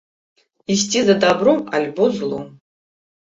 Ісці за дабром, альбо злом.